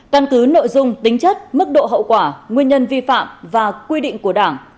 căn cứ nội dung tính chất mức độ hậu quả nguyên nhân vi phạm và quy định của đảng